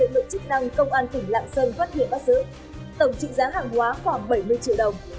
và bị liệu lượng chức năng công an tỉnh lạng sơn phát hiện bắt giữ tổng trị giá hàng hóa khoảng bảy mươi triệu đồng